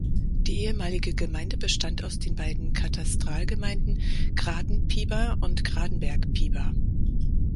Die ehemalige Gemeinde bestand aus den beiden Katastralgemeinden Graden-Piber und Gradenberg-Piber.